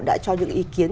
đã cho những ý kiến